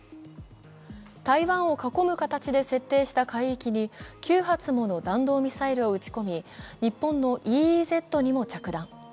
台湾を囲む形で設定した海域に９発もの弾道ミサイルを撃ち込み日本のＥＥＺにも着弾。